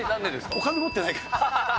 お金持ってないから。